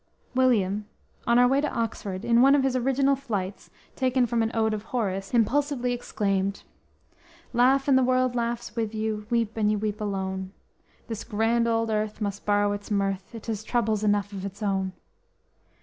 William, on our way to Oxford, in one of his original flights taken from an ode of Horace, impulsively exclaimed: _Laugh and the world laughs with you; Weep and you weep alone, This grand old earth must borrow its mirth, It has troubles enough of its own.